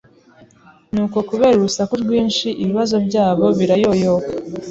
Nuko kubera urusaku rwinshi, ibibazo byabo birayoyoka